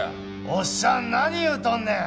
おっさん何言うとんねん。